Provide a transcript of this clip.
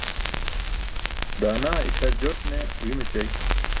Daanaa ikʰar jot ne uyum ećay.